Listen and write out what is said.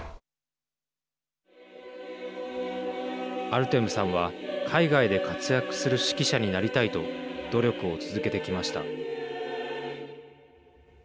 アルテムさんは海外で活躍する指揮者になりたいと努力を続けてきました。